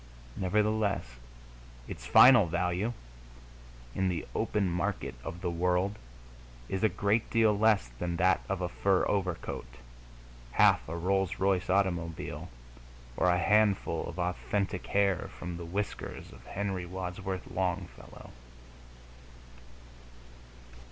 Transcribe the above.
Nevertheless, its final value, in the open market of the world, is a great deal less than that of a fur overcoat, half a Rolls Royce automobile, or a handful of authentic hair from the whiskers of Henry Wadsworth Longfellow.